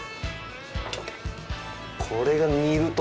これが煮ると。